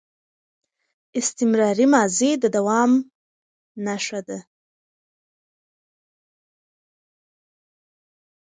استمراري ماضي د دوام نخښه ده.